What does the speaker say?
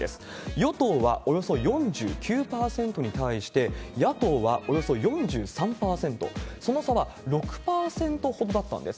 与党はおよそ４９％に対して、野党はおよそ４３％、その差は６％ほどだったんです。